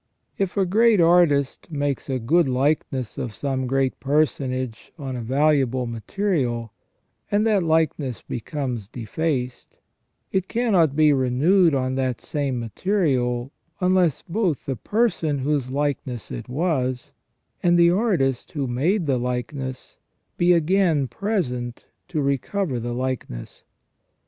If a great artist makes a good likeness of some great personage on a valuable material, and that likeness becomes defaced, it cannot be renewed on that same material unless both the person whose likeness it was and the artist who made the likeness be again present to recover the likeness.